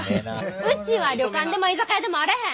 うちは旅館でも居酒屋でもあれへん。